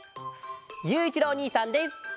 ゆういちろうおにいさんです。